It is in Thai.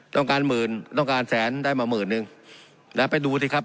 ต้องการหมื่นต้องการแสนได้มาหมื่นนึงนะไปดูสิครับ